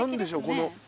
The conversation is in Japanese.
この。